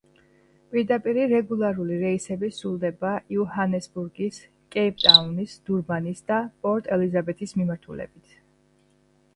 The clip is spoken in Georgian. პირდაპირი რეგულარული რეისები სრულდება იოჰანესბურგის, კეიპტაუნის, დურბანის და პორტ-ელიზაბეთის მიმართულებით.